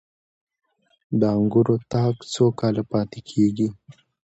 د انګورو تاک څو کاله پاتې کیږي؟